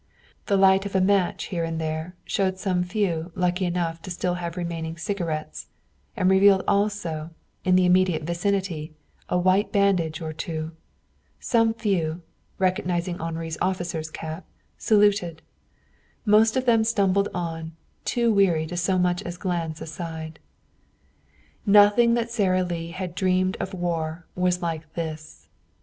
The light of a match here and there showed some few lucky enough to have still remaining cigarettes, and revealed also, in the immediate vicinity, a white bandage or two. Some few, recognizing Henri's officer's cap, saluted. Most of them stumbled on, too weary to so much as glance aside. Nothing that Sara Lee had dreamed of war was like this.